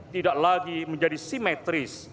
tidak lagi menjadi simetris